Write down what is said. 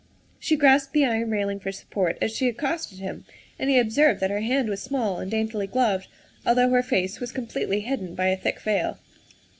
She grasped the iron railing for support as she accosted him, and he observed that her hand was small and daintily gloved, although her face was completely hidden by a thick veil.